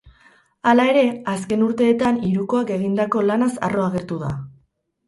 Hala ere, azken urteetan hirukoak egindako lanaz arro agertu da.